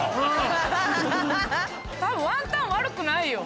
多分ワンタン悪くないよ。